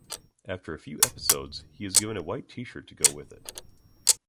After a few episodes, he is given a white T-shirt to go with it.